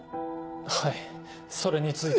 はいそれについては。